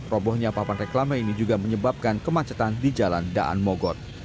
robohnya papan reklama ini juga menyebabkan kemacetan di jalan daan mogot